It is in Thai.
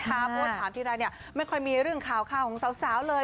เพราะว่าถามทีไรไม่ค่อยมีเรื่องข่าวของสาวเลย